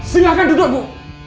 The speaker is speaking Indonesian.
silahkan duduk bu